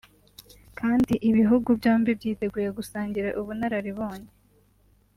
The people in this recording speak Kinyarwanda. kandi ibihugu byombi byiteguye gusangira ubunararibonye